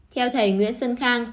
theo thầy nguyễn sơn khang